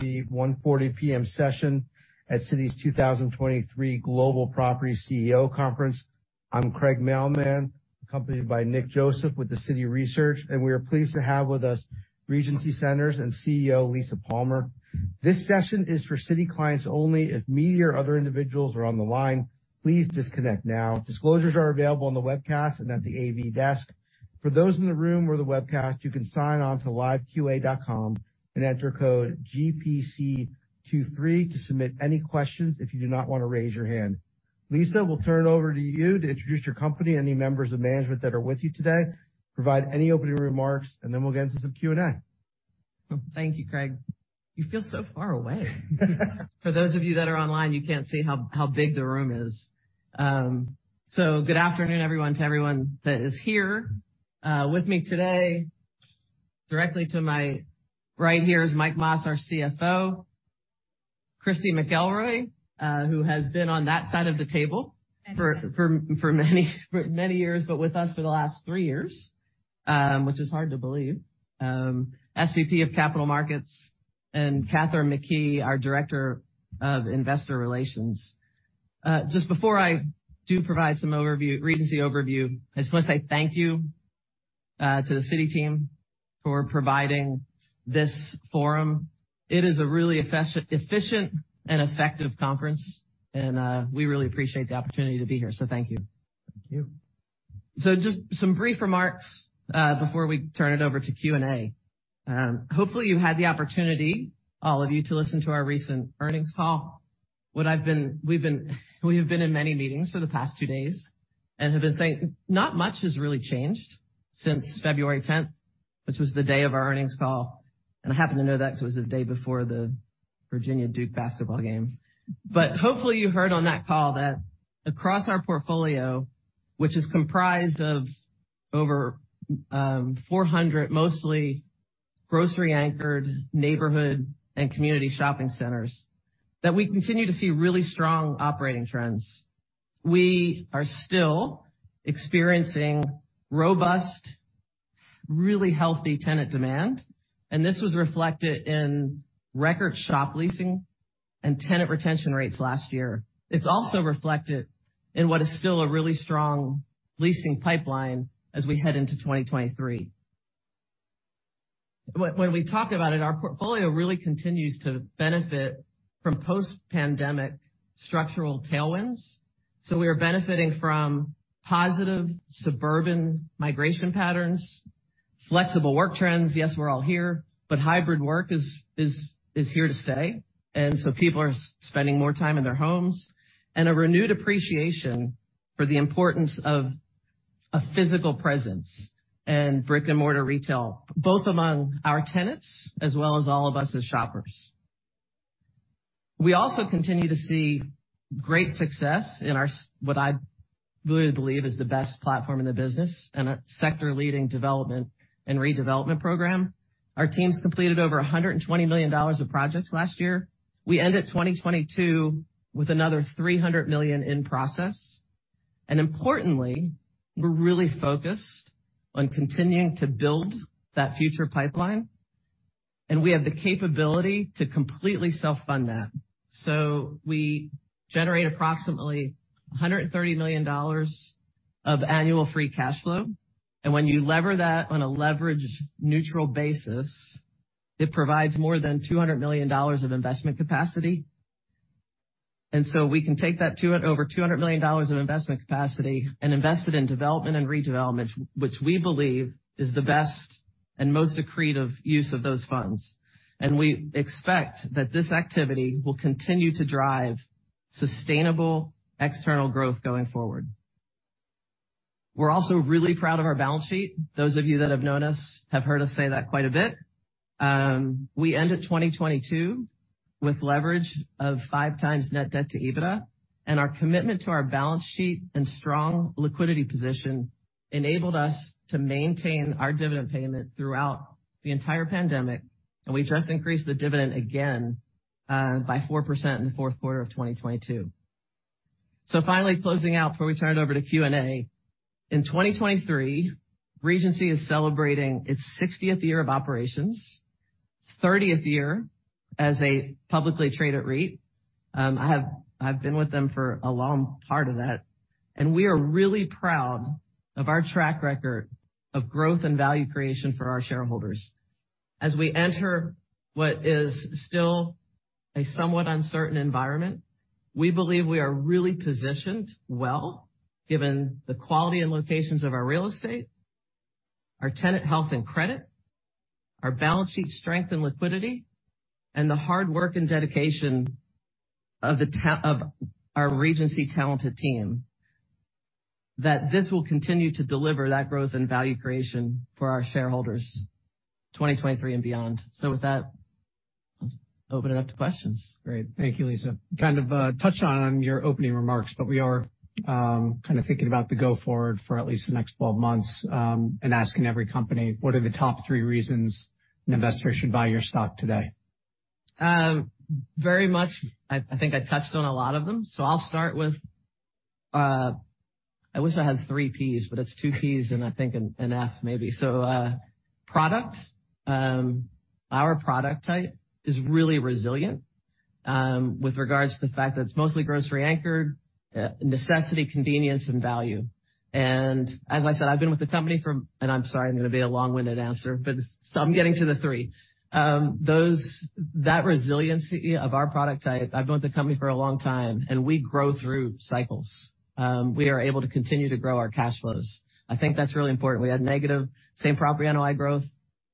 The 1:40 P.M. session at Citi's 2023 Global Property CEO Conference. I'm Craig Mailman, accompanied by Nick Joseph with the Citi Research. We are pleased to have with us Regency Centers and CEO Lisa Palmer. This session is for Citi clients only. If media or other individuals are on the line, please disconnect now. Disclosures are available on the webcast and at the AV desk. For those in the room or the webcast, you can sign on to liveqa.com and enter code GPC23 to submit any questions if you do not want to raise your hand. Lisa, we'll turn it over to you to introduce your company and any members of management that are with you today. Provide any opening remarks. Then we'll get into some Q&A. Thank you, Craig. You feel so far away. For those of you that are online, you can't see how big the room is. Good afternoon, everyone, to everyone that is here. With me today, directly to my right here is Mike Mas, our CFO. Christy McElroy, who has been on that side of the table for many years, but with us for the last three years, which is hard to believe, SVP of Capital Markets, and Kathryn McKie, our Director of Investor Relations. Just before I do provide some overview, Regency overview, I just want to say thank you to the Citi team for providing this forum. It is a really efficient and effective conference, and we really appreciate the opportunity to be here. Thank you. Thank you. Just some brief remarks before we turn it over to Q&A. Hopefully you had the opportunity, all of you, to listen to our recent earnings call. We have been in many meetings for the past two days and have been saying not much has really changed since February tenth, which was the day of our earnings call. I happen to know that because it was the day before the Virginia Duke basketball game. Hopefully you heard on that call that across our portfolio, which is comprised of over 400, mostly grocery-anchored neighborhood and community shopping centers, that we continue to see really strong operating trends. We are still experiencing robust, really healthy tenant demand, and this was reflected in record shop leasing and tenant retention rates last year. It's also reflected in what is still a really strong leasing pipeline as we head into 2023. When we talk about it, our portfolio really continues to benefit from post-pandemic structural tailwinds. We are benefiting from positive suburban migration patterns, flexible work trends. Yes, we're all here, but hybrid work is here to stay. People are spending more time in their homes and a renewed appreciation for the importance of a physical presence and brick-and-mortar retail, both among our tenants as well as all of us as shoppers. We also continue to see great success in our what I really believe is the best platform in the business and a sector leading development and redevelopment program. Our teams completed over $120 million of projects last year. We ended 2022 with another $300 million in process. Importantly, we're really focused on continuing to build that future pipeline, we have the capability to completely self-fund that. We generate approximately $130 million of annual free cash flow. When you lever that on a leverage neutral basis, it provides more than $200 million of investment capacity. We can take that over $200 million of investment capacity and invest it in development and redevelopment, which we believe is the best and most accretive use of those funds. We expect that this activity will continue to drive sustainable external growth going forward. We're also really proud of our balance sheet. Those of you that have known us have heard us say that quite a bit. We ended 2022 with leverage of 5x Net Debt to EBITDA. Our commitment to our balance sheet and strong liquidity position enabled us to maintain our dividend payment throughout the entire pandemic. We just increased the dividend again by 4% in the Q4 of 2022. Finally closing out before we turn it over to Q&A. In 2023, Regency is celebrating its 60th year of operations, 30th year as a publicly traded REIT. I've been with them for a long part of that, and we are really proud of our track record of growth and value creation for our shareholders. As we enter what is still a somewhat uncertain environment, we believe we are really positioned well, given the quality and locations of our real estate, our tenant health and credit, our balance sheet strength and liquidity, and the hard work and dedication of our Regency talented team, that this will continue to deliver that growth and value creation for our shareholders, 2023 and beyond. With that, I'll open it up to questions. Great. Thank you, Lisa. Kind of touched on your opening remarks, but we are kind of thinking about the go forward for at least the next 12 months, asking every company what are the top three reasons an investor should buy your stock today? very much. I think I touched on a lot of them. I'll start with, I wish I had three Ps, but it's two Ps and I think an F maybe. Product. Our product type is really resilient with regards to the fact that it's mostly grocery anchored, necessity, convenience and value. As I said, I've been with the company and I'm sorry, I'm gonna be a long-winded answer, but so I'm getting to the three. That resiliency of our product type, I've been with the company for a long time, and we grow through cycles. We are able to continue to grow our cash flows. I think that's really important. We had negative Same-Property NOI Growth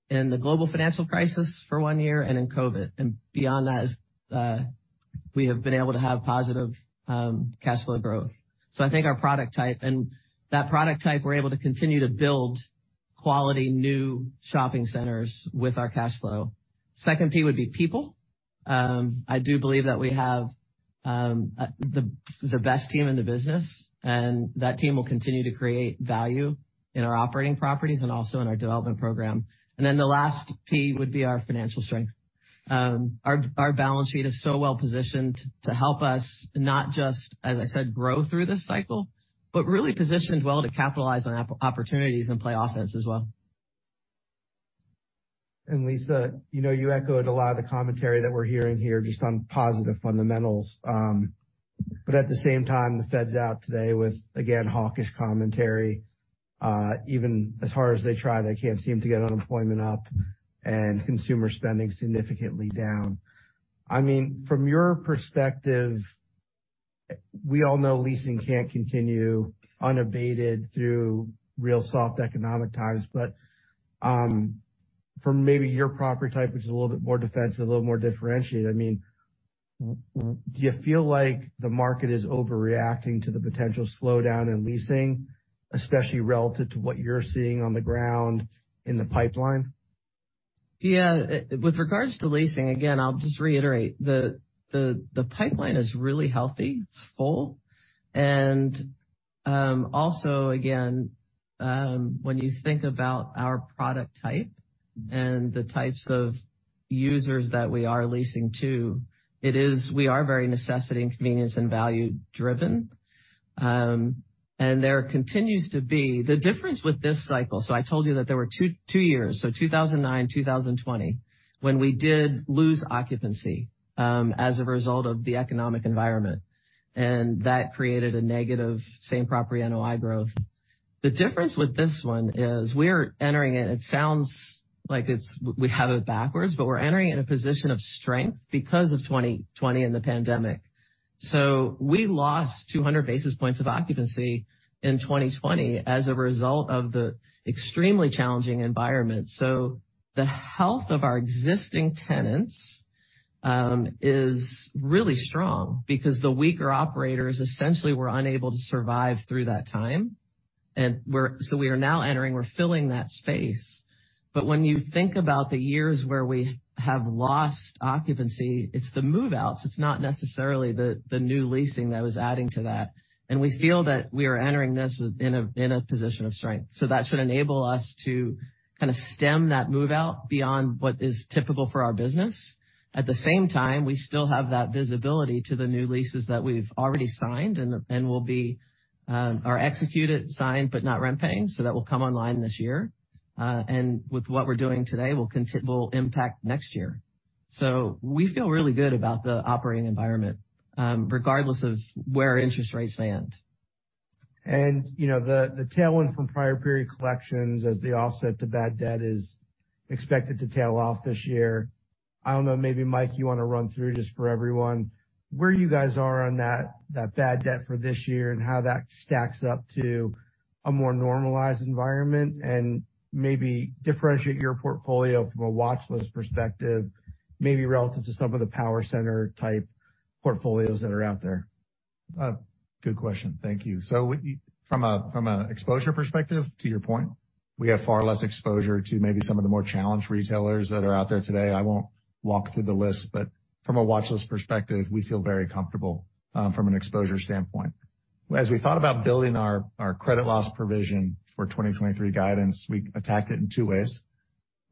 in the global financial crisis for one year and in COVID. Beyond that, as we have been able to have positive cash flow growth. I think our product type and that product type, we're able to continue to build quality new shopping centers with our cash flow. Second P would be people. I do believe that we have the best team in the business, and that team will continue to create value in our operating properties and also in our development program. Then the last P would be our financial strength. Our balance sheet is so well positioned to help us not just, as I said, grow through this cycle, but really positioned well to capitalize on opportunities and play offense as well. Lisa, you know, you echoed a lot of the commentary that we're hearing here just on positive fundamentals. At the same time, the Fed's out today with, again, hawkish commentary. Even as hard as they try, they can't seem to get unemployment up and consumer spending significantly down. I mean, from your perspective, we all know leasing can't continue unabated through real soft economic times. From maybe your property type, which is a little bit more defensive, a little more differentiated, I mean, do you feel like the market is overreacting to the potential slowdown in leasing, especially relative to what you're seeing on the ground in the pipeline? Yeah. With regards to leasing, again, I'll just reiterate the pipeline is really healthy. It's full. Also again, when you think about our product type and the types of users that we are leasing to, we are very necessity and convenience and value driven. There continues to be... The difference with this cycle, so I told you that there were two years, so 2009, 2020, when we did lose occupancy, as a result of the economic environment, and that created a negative Same-Property NOI Growth. The difference with this one is we are entering it sounds like it's, we have it backwards, but we're entering in a position of strength because of 2020 and the pandemic. We lost 200 basis points of occupancy in 2020 as a result of the extremely challenging environment. The health of our existing tenants is really strong because the weaker operators essentially were unable to survive through that time. We are now entering, we're filling that space. When you think about the years where we have lost occupancy, it's the move-outs. It's not necessarily the new leasing that was adding to that. We feel that we are entering this with, in a position of strength. That should enable us to kind of stem that move-out beyond what is typical for our business. At the same time, we still have that visibility to the new leases that we've already signed and will be executed, signed, but not rent paying. That will come online this year. With what we're doing today, will impact next year. We feel really good about the operating environment, regardless of where interest rates land. You know, the tailwind from prior period collections as the offset to bad debt is expected to tail off this year. I don't know, maybe, Mike Mas, you want to run through just for everyone where you guys are on that bad debt for this year and how that stacks up to a more normalized environment and maybe differentiate your portfolio from a watchlist perspective, maybe relative to some of the power center type portfolios that are out there. Good question. Thank you. From an exposure perspective, to your point, we have far less exposure to maybe some of the more challenged retailers that are out there today. I won't walk through the list, but from a watchlist perspective, we feel very comfortable from an exposure standpoint. As we thought about building our credit loss provision for 2023 guidance, we attacked it in two ways.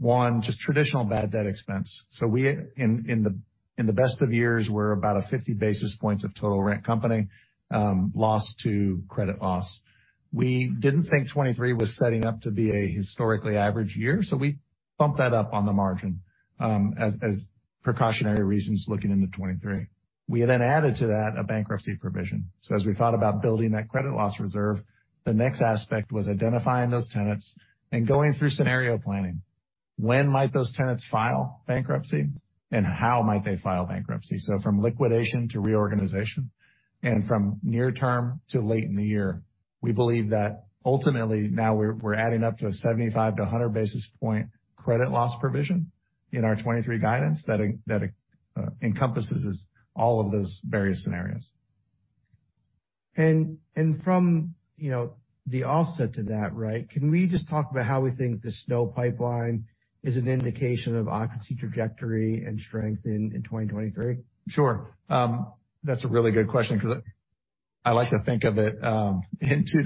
One, just traditional bad debt expense. We, in the best of years, we're about a 50 basis points of total rent company loss to credit loss. We didn't think 2023 was setting up to be a historically average year, so we bumped that up on the margin as precautionary reasons looking into 2023. We added to that a bankruptcy provision. As we thought about building that credit loss reserve, the next aspect was identifying those tenants and going through scenario planning. When might those tenants file bankruptcy, and how might they file bankruptcy? From liquidation to reorganization and from near term to late in the year. We believe that ultimately now we're adding up to a 75 basis point-100 basis point credit loss provision in our 2023 guidance that encompasses all of those various scenarios. From, you know, the offset to that, right, can we just talk about how we think the SNO pipeline is an indication of occupancy trajectory and strength in 2023? Sure. That's a really good question because I like to think of it in two.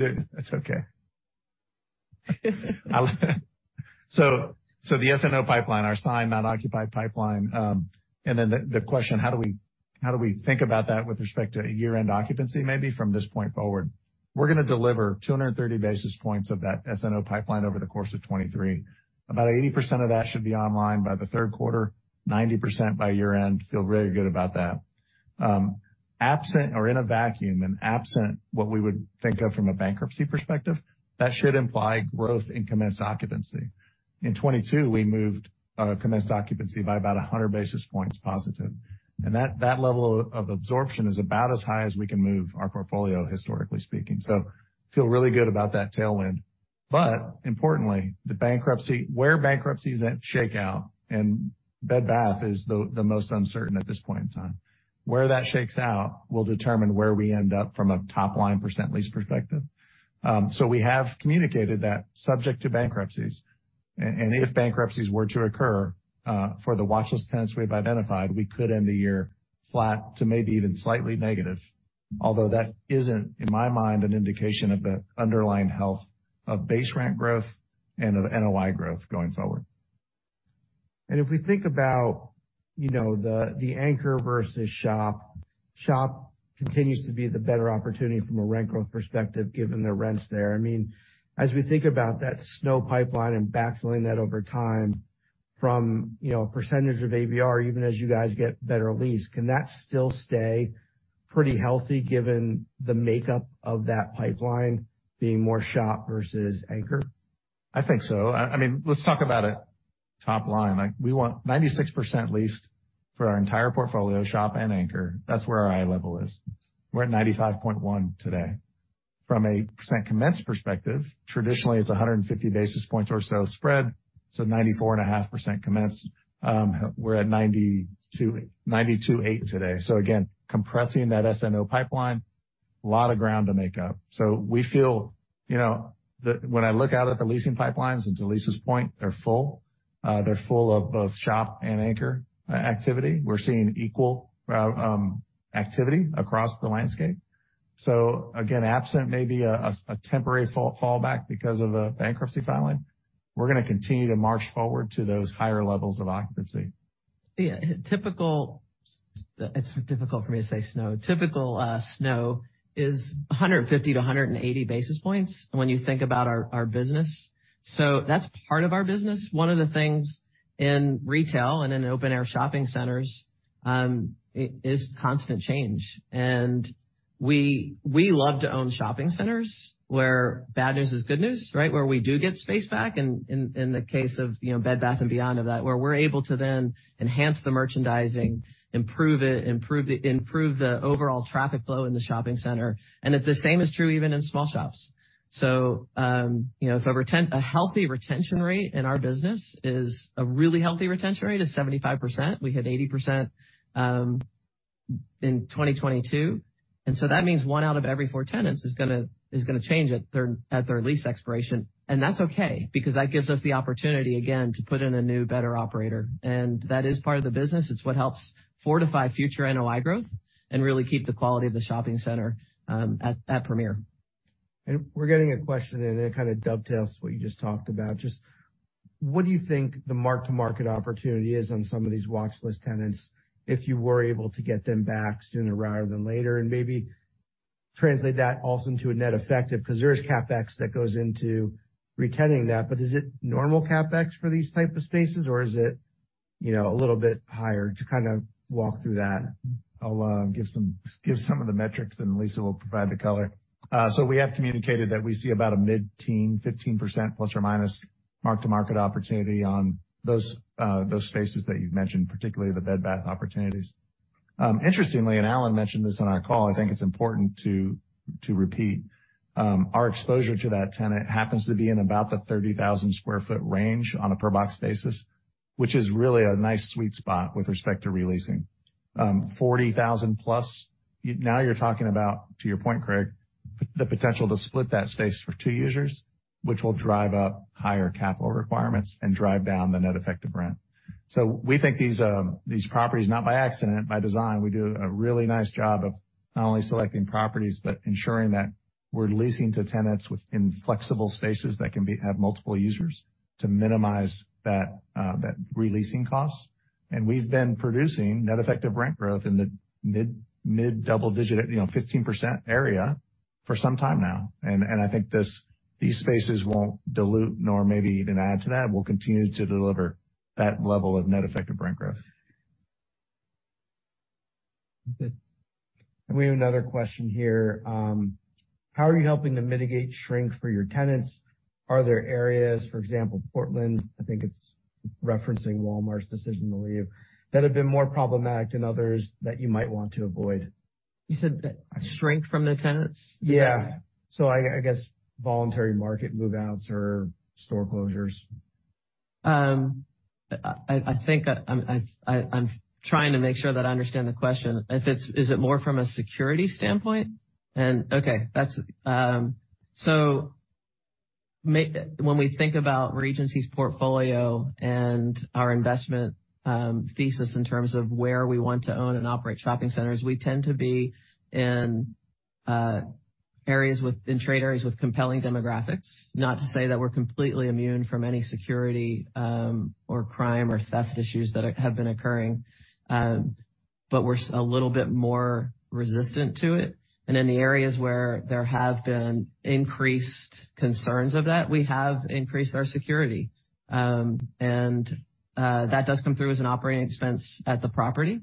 The SNO pipeline, our signed not occupied pipeline, and then the question, how do we think about that with respect to a year-end occupancy, maybe from this point forward? We're gonna deliver 230 basis points of that SNO pipeline over the course of 2023. About 80% of that should be online by the Q3, 90% by year-end. Feel really good about that. Absent or in a vacuum, and absent what we would think of from a bankruptcy perspective, that should imply growth in commenced occupancy. In 2022, we moved commenced occupancy by about 100 basis points positive. That level of absorption is about as high as we can move our portfolio, historically speaking. Feel really good about that tailwind. Importantly, where bankruptcies at shakeout and Bed Bath is the most uncertain at this point in time. Where that shakes out will determine where we end up from a top-line percent lease perspective. We have communicated that subject to bankruptcies. And if bankruptcies were to occur for the watchlist tenants we've identified, we could end the year flat to maybe even slightly negative. Although that isn't, in my mind, an indication of the underlying health of base rent growth and of NOI growth going forward. If we think about, you know, the anchor versus shop continues to be the better opportunity from a rent growth perspective, given the rents there. I mean, as we think about that SNO pipeline and backfilling that over time from, you know, percentage of ABR, even as you guys get better lease, can that still stay pretty healthy given the makeup of that pipeline being more shop versus anchor? I think so. I mean, let's talk about it top line. Like, we want 96% leased for our entire portfolio, shop and anchor. That's where our eye level is. We're at 95.1% today. From a percent commenced perspective, traditionally it's 150 basis points or so spread, 94.5% commenced. We're at 92.8% today. Again, compressing that SNO pipeline, a lot of ground to make up. We feel, you know, when I look out at the leasing pipelines, and to Lisa's point, they're full, they're full of both shop and anchor activity. We're seeing equal activity across the landscape. Again, absent maybe a temporary fallback because of a bankruptcy filing, we're gonna continue to march forward to those higher levels of occupancy. It's difficult for me to say SNO. Typical SNO is 150 basis points-180 basis points when you think about our business. That's part of our business. One of the things in retail and in open air shopping centers is constant change. We love to own shopping centers where bad news is good news, right? Where we do get space back in the case of, you know, Bed Bath & Beyond of that, where we're able to then enhance the merchandising, improve it, improve the overall traffic flow in the shopping center. The same is true even in small shops. You know, if a healthy retention rate in our business is a really healthy retention rate is 75%. We hit 80% in 2022. That means one tenant out of every four tenants is gonna change at their lease expiration. That's okay because that gives us the opportunity again to put in a new, better operator. That is part of the business. It's what helps fortify future NOI growth and really keep the quality of the shopping center at premier. We're getting a question, and it kind of dovetails what you just talked about. Just what do you think the mark-to-market opportunity is on some of these watchlist tenants if you were able to get them back sooner rather than later? Maybe translate that also into a net effective, because there is CapEx that goes into retenanting that. Is it normal CapEx for these type of spaces, or is it, you know, a little bit higher? To kind of walk through that. I'll give some of the metrics, and Lisa will provide the color. We have communicated that we see about a mid-teen, 15% plus or minus mark-to-market opportunity on those spaces that you've mentioned, particularly the Bed Bath opportunities. Interestingly, Alan mentioned this on our call, I think it's important to repeat, our exposure to that tenant happens to be in about the 30,000 sq ft range on a per box basis, which is really a nice sweet spot with respect to re-leasing. 40,000+, now you're talking about, to your point, Craig, the potential to split that space for two users, which will drive up higher capital requirements and drive down the net effective rent. We think these properties, not by accident, by design, we do a really nice job of not only selecting properties, but ensuring that we're leasing to tenants within flexible spaces that can have multiple users to minimize that re-leasing costs. We've been producing net effective rent growth in the mid-double digit at, you know, 15% area for some time now. I think these spaces won't dilute nor maybe even add to that, we'll continue to deliver that level of net effective rent growth. We have another question here. How are you helping to mitigate shrink for your tenants? Are there areas, for example, Portland, I think it's referencing Walmart's decision to leave, that have been more problematic than others that you might want to avoid? You said that shrink from the tenants? Yeah. I guess voluntary market move-outs or store closures. I think I'm trying to make sure that I understand the question. Is it more from a security standpoint? Okay, that's. When we think about Regency's portfolio and our investment thesis in terms of where we want to own and operate shopping centers, we tend to be in trade areas with compelling demographics. Not to say that we're completely immune from any security or crime or theft issues that have been occurring, but we're a little bit more resistant to it. In the areas where there have been increased concerns of that, we have increased our security. That does come through as an operating expense at the property.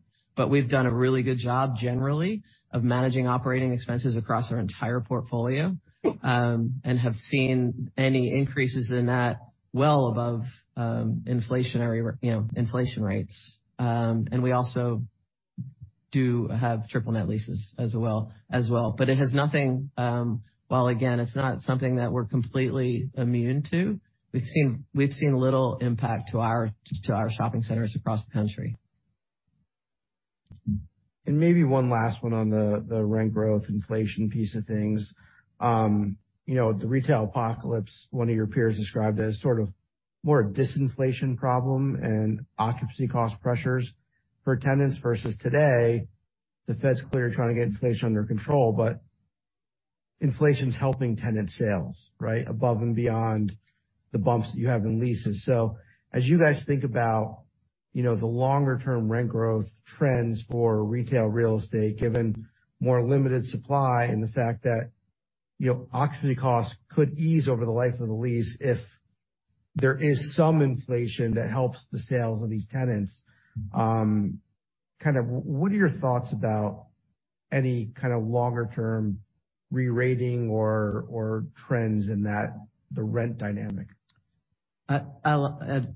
We've done a really good job generally of managing operating expenses across our entire portfolio, and have seen any increases in that well above, inflationary, you know, inflation rates. We also do have triple net leases as well. While again, it's not something that we're completely immune to, we've seen little impact to our shopping centers across the country. Maybe one last one on the rent growth inflation piece of things. You know, the retail apocalypse, one of your peers described as sort of more a disinflation problem and occupancy cost pressures for tenants versus today, the Fed's clear trying to get inflation under control, but inflation's helping tenant sales, right, above and beyond the bumps that you have in leases. As you guys think about, you know, the longer-term rent growth trends for retail real estate, given more limited supply and the fact that, you know, occupancy costs could ease over the life of the lease if there is some inflation that helps the sales of these tenants, kind of what are your thoughts about any kind of longer-term re-rating or trends in that the rent dynamic?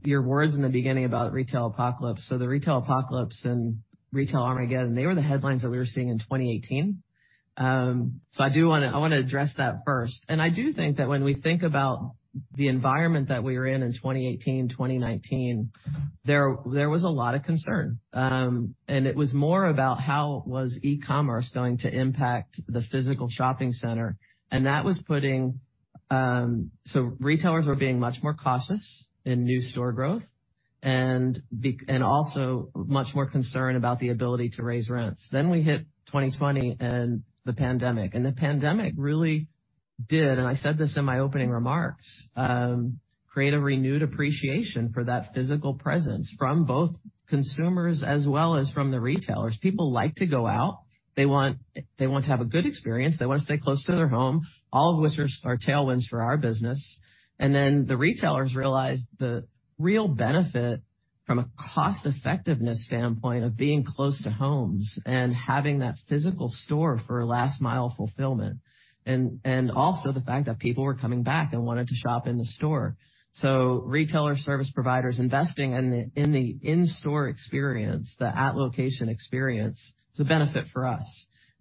Your words in the beginning about retail apocalypse. The retail apocalypse and retail Armageddon, they were the headlines that we were seeing in 2018. I do wanna, I wanna address that first. I do think that when we think about the environment that we were in 2018, 2019, there was a lot of concern. It was more about how was e-commerce going to impact the physical shopping center. Retailers were being much more cautious in new store growth and also much more concerned about the ability to raise rents. We hit 2020 and the pandemic. The pandemic really did, and I said this in my opening remarks, create a renewed appreciation for that physical presence from both consumers as well as from the retailers. People like to go out. They want to have a good experience. They want to stay close to their home, all of which are tailwinds for our business. The retailers realized the real benefit from a cost effectiveness standpoint of being close to homes and having that physical store for last mile fulfillment. Also the fact that people were coming back and wanted to shop in the store. Retailer service providers investing in the in-store experience, the at location experience, it's a benefit for us.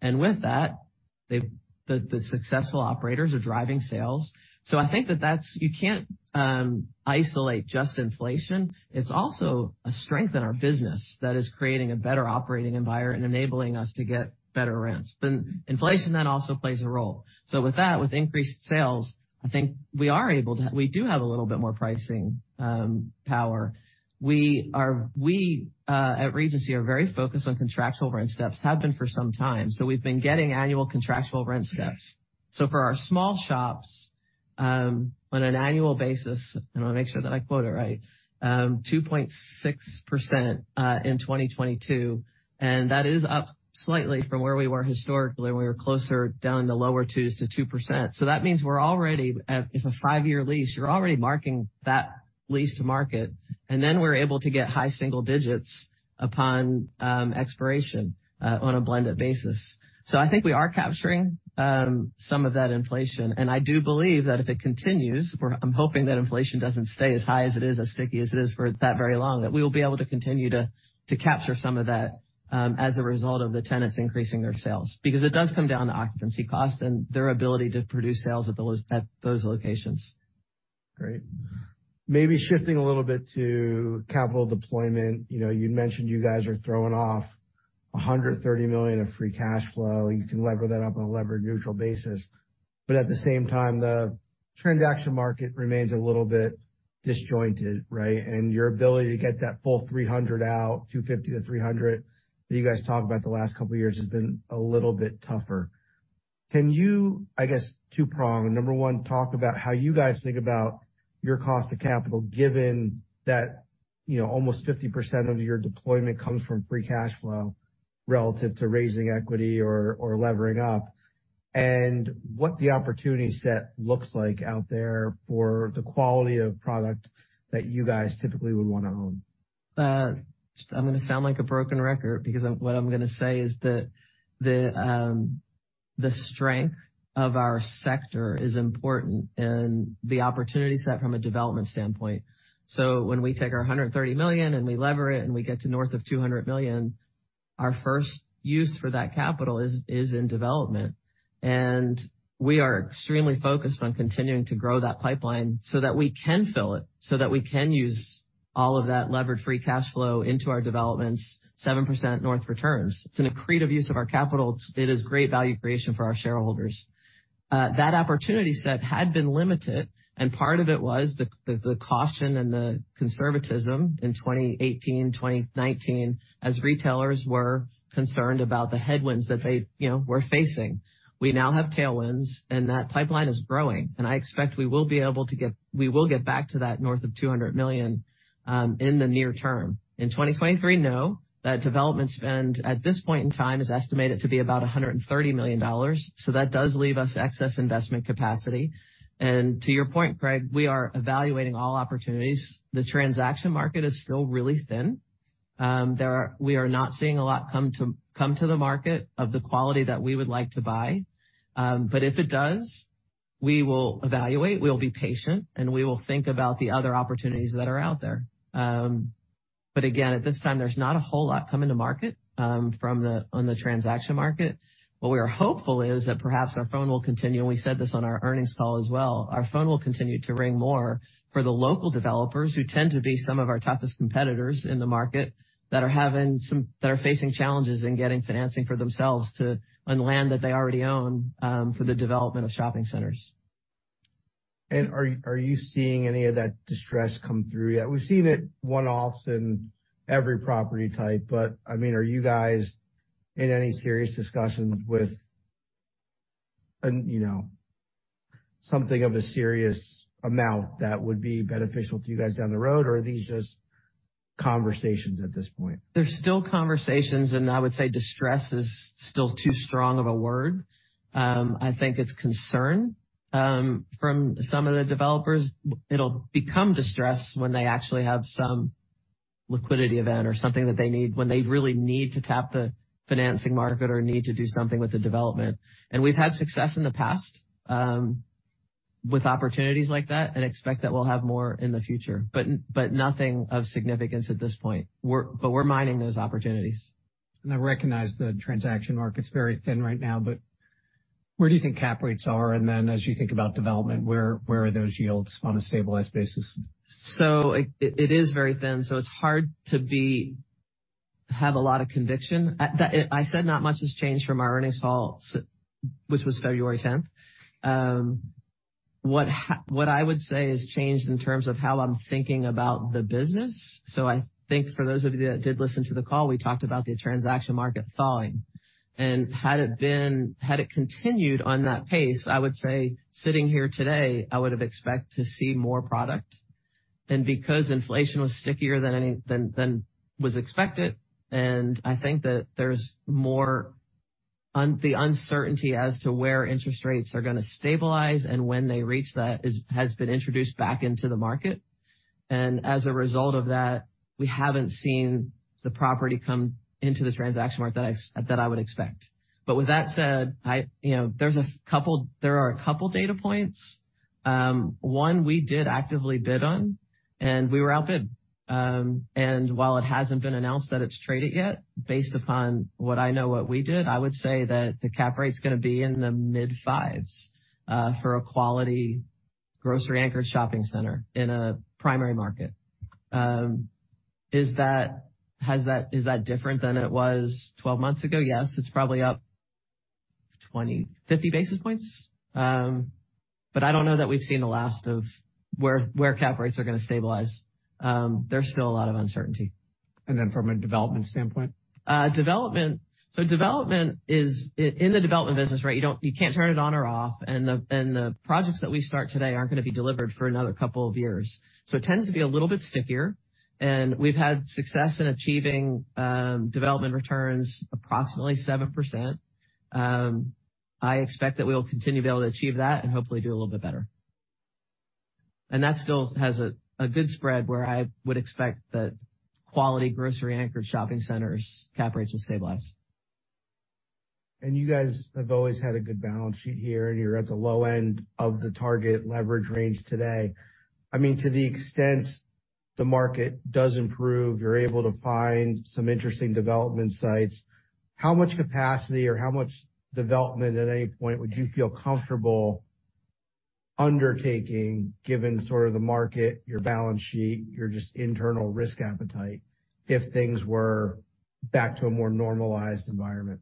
With that, the successful operators are driving sales. I think that you can't isolate just inflation. It's also a strength in our business that is creating a better operating environment and enabling us to get better rents. Inflation then also plays a role. With that, with increased sales, I think we do have a little bit more pricing power. We at Regency are very focused on contractual rent steps, have been for some time. We've been getting annual contractual rent steps. For our small shops, on an annual basis, and I wanna make sure that I quote it right, 2.6% in 2022, and that is up slightly from where we were historically, when we were closer down in the lower twos to 2%. That means we're already if a five-year lease, you're already marking that lease to market, and then we're able to get high single digits upon expiration on a blended basis. I think we are capturing some of that inflation. I do believe that if it continues, I'm hoping that inflation doesn't stay as high as it is, as sticky as it is for that very long, that we will be able to capture some of that as a result of the tenants increasing their sales. Because it does come down to occupancy cost and their ability to produce sales at those locations. Great. Maybe shifting a little bit to capital deployment. You know, you'd mentioned you guys are throwing off $130 million of free cash flow. You can lever that up on a levered neutral basis. At the same time, the transaction market remains a little bit disjointed, right? And your ability to get that full $300 out, $250-$300 that you guys talked about the last couple of years has been a little bit tougher. Can you, I guess, two-prong. Number one, talk about how you guys think about your cost of capital, given that, you know, almost 50% of your deployment comes from free cash flow relative to raising equity or levering up. And what the opportunity set looks like out there for the quality of product that you guys typically would wanna own. I'm gonna sound like a broken record because what I'm gonna say is the strength of our sector is important and the opportunity set from a development standpoint. When we take our $130 million and we lever it, and we get to north of $200 million, our first use for that capital is in development. We are extremely focused on continuing to grow that pipeline so that we can fill it, so that we can use All of that levered free cash flow into our developments, 7% north returns. It's an accretive use of our capital. It is great value creation for our shareholders. That opportunity set had been limited, and part of it was the caution and the conservatism in 2018, 2019 as retailers were concerned about the headwinds that they, you know, were facing. We now have tailwinds, and that pipeline is growing, and I expect we will be able to get we will get back to that north of $200 million in the near term. In 2023, no. That development spend at this point in time is estimated to be about $130 million. That does leave us excess investment capacity. To your point, Craig, we are evaluating all opportunities. The transaction market is still really thin. We are not seeing a lot come to the market of the quality that we would like to buy. If it does, we will evaluate, we'll be patient, and we will think about the other opportunities that are out there. Again, at this time, there's not a whole lot coming to market on the transaction market. What we are hopeful is that perhaps our phone will continue, and we said this on our earnings call as well. Our phone will continue to ring more for the local developers who tend to be some of our toughest competitors in the market that are facing challenges in getting financing for themselves on land that they already own for the development of shopping centers. Are you seeing any of that distress come through yet? We've seen it one-offs in every property type, but, I mean, are you guys in any serious discussions with, you know, something of a serious amount that would be beneficial to you guys down the road? Are these just conversations at this point? They're still conversations, and I would say distress is still too strong of a word. I think it's concern from some of the developers. It'll become distress when they actually have some liquidity event or something that they need, when they really need to tap the financing market or need to do something with the development. We've had success in the past with opportunities like that and expect that we'll have more in the future, but nothing of significance at this point. We're mining those opportunities. I recognize the transaction market's very thin right now, but where do you think cap rates are? Then as you think about development, where are those yields on a stabilized basis? It is very thin, so it's hard to have a lot of conviction. I said not much has changed from our earnings call which was February 10th. What I would say has changed in terms of how I'm thinking about the business, so I think for those of you that did listen to the call, we talked about the transaction market thawing. Had it continued on that pace, I would say, sitting here today, I would've expect to see more product. Because inflation was stickier than was expected, and I think that there's more the uncertainty as to where interest rates are gonna stabilize and when they reach that has been introduced back into the market. As a result of that, we haven't seen the property come into the transaction market that I would expect. With that said, you know, there are a couple data points. One we did actively bid on, and we were outbid. While it hasn't been announced that it's traded yet, based upon what I know what we did, I would say that the cap rate's gonna be in the mid-fives for a quality grocery-anchored shopping center in a primary market. Is that different than it was 12 months ago? Yes. It's probably up 20 basis points, 50 basis points. I don't know that we've seen the last of where cap rates are gonna stabilize. There's still a lot of uncertainty. From a development standpoint? Development. Development is in the development business, right? You can't turn it on or off. The projects that we start today aren't gonna be delivered for another couple of years. It tends to be a little bit stickier, and we've had success in achieving development returns approximately 7%. I expect that we'll continue to be able to achieve that and hopefully do a little bit better. That still has a good spread where I would expect that quality grocery anchored shopping centers cap rates will stabilize. You guys have always had a good balance sheet here, and you're at the low end of the target leverage range today. I mean, to the extent the market does improve, you're able to find some interesting development sites, how much capacity or how much development at any point would you feel comfortable undertaking given sort of the market, your balance sheet, your just internal risk appetite if things were back to a more normalized environment?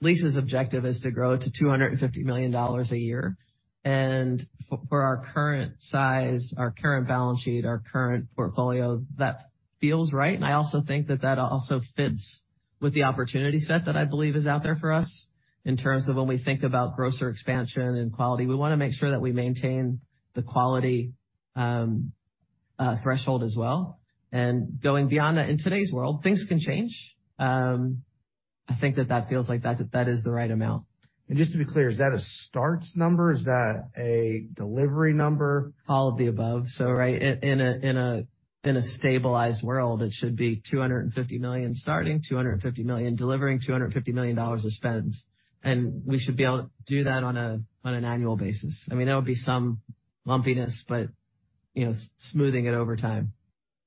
Lease's objective is to grow to $250 million a year. For our current size, our current balance sheet, our current portfolio, that feels right. I also think that that also fits with the opportunity set that I believe is out there for us in terms of when we think about grocer expansion and quality. We want to make sure that we maintain the quality threshold as well. Going beyond that, in today's world, things can change. I think that that feels like that is the right amount. Just to be clear, is that a start number? Is that a delivery number? All of the above. Right. In a stabilized world, it should be $250 million starting, $250 million delivering, $250 million of spend. We should be able to do that on an annual basis. I mean, there'll be some lumpiness, but, you know, smoothing it over time.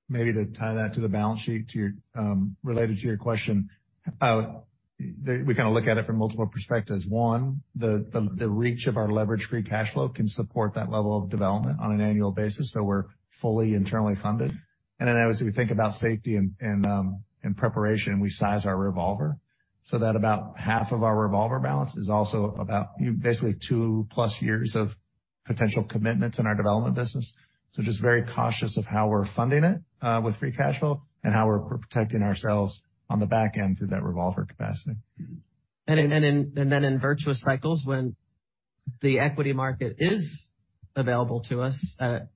Maybe to tie that to the balance sheet to your related to your question. We kind of look at it from multiple perspectives. One, the reach of our leverage free cash flow can support that level of development on an annual basis, so we're fully internally funded. As we think about safety and preparation, we size our revolver so that about half of our revolver balance is also about basically 2+ years of potential commitments in our development business. Just very cautious of how we're funding it with free cash flow and how we're protecting ourselves on the back end through that revolver capacity. Then in virtuous cycles, when the equity market is available to us at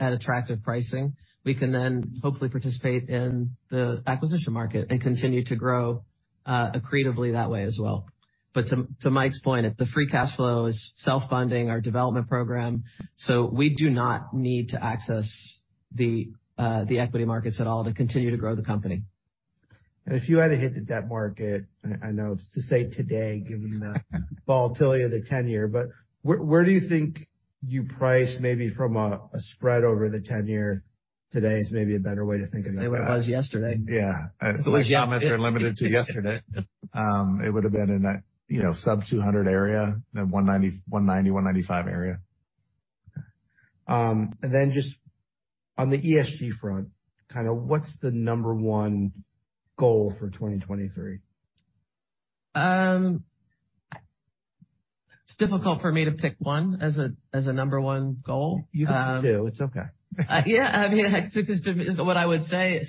attractive pricing, we can then hopefully participate in the acquisition market and continue to grow accretively that way as well. To Mike's point, if the free cash flow is self-funding our development program, we do not need to access the equity markets at all to continue to grow the company. If you had to hit the debt market, I know it's to say today, given the volatility of the 10-year, but where do you think you price maybe from a spread over the 10-year today is maybe a better way to think of that? Say what it was yesterday. Yeah. It was yesterday. My comments are limited to yesterday. It would have been in a, you know, sub 200 area, 190 area, 195 area. Just on the ESG front, kind of what's the number one goal for 2023? It's difficult for me to pick one as a, as a number one goal. You can pick two. It's okay. Yeah. I mean, what I would say,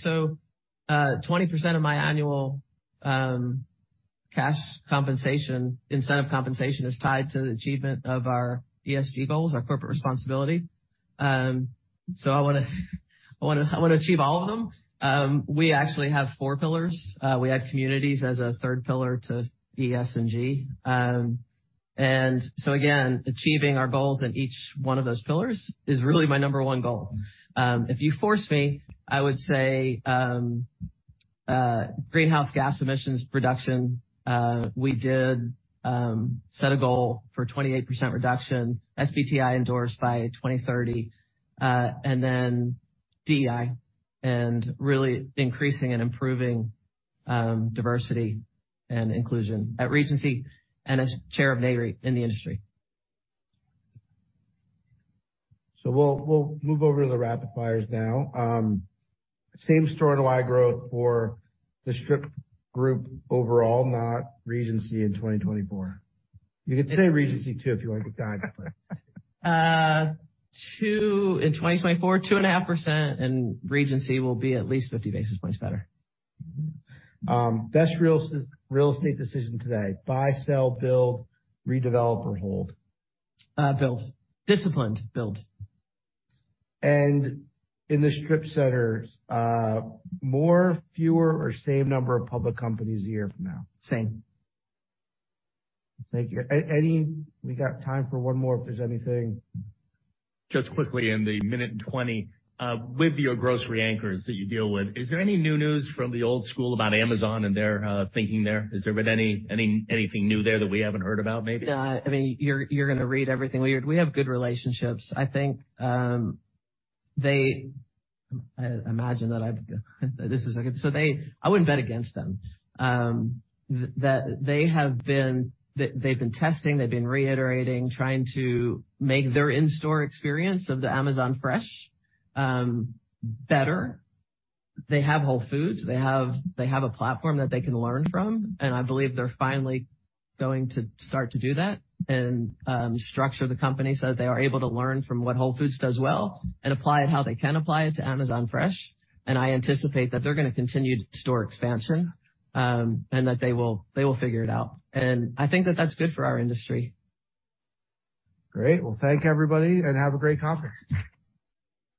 20% of my annual cash compensation, incentive compensation is tied to the achievement of our ESG goals, our corporate responsibility. I wanna achieve all of them. We actually have four pillars. We add communities as a third pillar to ES&G. Again, achieving our goals in each one of those pillars is really my number one goal. If you force me, I would say, greenhouse gas emissions reduction, we did set a goal for 28% reduction, SBTi endorsed by 2030, then DEI and really increasing and improving diversity and inclusion at Regency and as chair of Nareit in the industry. We'll move over to the rapid fires now. Same store NOI growth for the strip group overall, not Regency in 2024. You can say Regency too, if you want to give guidance. In 2024, 2.5%, Regency will be at least 50 basis points better. best real estate decision today: buy, sell, build, redevelop, or hold? Build. Disciplined build. In the strip centers, more, fewer or same number of public companies a year from now? Same. Thank you. We got time for one more, if there's anything. Just quickly in the a minute and twenty seconds, with your grocery anchors that you deal with, is there any new news from the old school about Amazon and their thinking there? Has there been anything new there that we haven't heard about maybe? No. I mean, you're gonna read everything. We have good relationships. I think, I wouldn't bet against them. They've been testing, they've been reiterating, trying to make their in-store experience of the Amazon Fresh better. They have Whole Foods. They have a platform that they can learn from, I believe they're finally going to start to do that and structure the company so that they are able to learn from what Whole Foods does well and apply it how they can apply it to Amazon Fresh. I anticipate that they're gonna continue store expansion, and that they will figure it out. I think that that's good for our industry. Great. Well, thank everybody. Have a great conference.